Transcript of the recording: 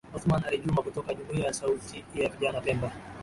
Othman Ali Juma kutoka Jumuiya ya Sauti ya Vijana Pemba